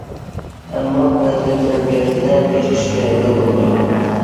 ئەمما پەرزەنت تەربىيەسىدە كېچىكىشكە ھەرگىز بولمايدۇ.